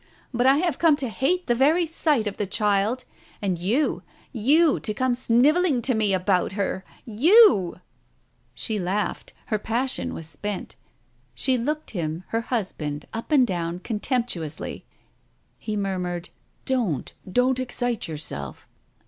But I have come to hate the very sight of the child ! And you — you to come snivelling to me about her. ... You !" Digitized by Google ■ THE TIGER SKIN 283 She laughed. Her passion was spent. She looked him, her husband, up and down, contemptuously. He murmured: "Don't, don't excite yourself!